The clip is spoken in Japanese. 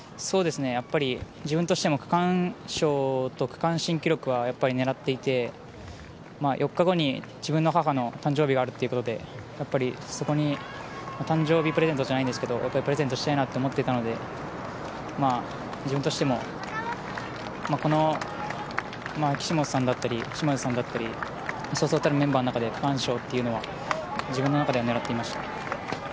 自分としても区間賞と区間新記録は狙っていて４日後に自分の母の誕生日があるということでやっぱり、そこに誕生日プレゼントじゃないですがプレゼントしたいなと思っていたので、自分としてもこの岸本さんだったり嶋津さんだったりそうそうたるメンバーの中で区間賞というのは自分の中では狙っていました。